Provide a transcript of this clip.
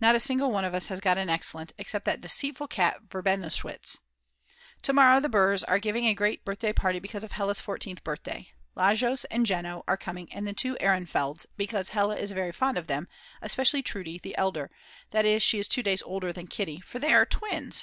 Not a single one of us has got an Excellent except that deceitful cat Verbenowitsch. To morrow the Brs. are giving a great birthday party because of Hella's 14th birthday. Lajos and Jeno are coming and the two Ehrenfelds, because Hella is very fond of them, especially Trude, the elder, that is she is 2 days older than Kitty, for they are _twins!!